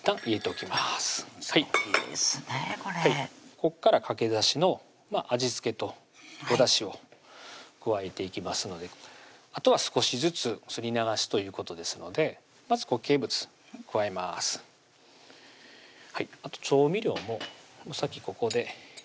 これここからかけだしの味付けとおだしを加えていきますのであとは少しずつ「すり流し」ということですのでまず固形物加えます調味料も先ここで加えておきます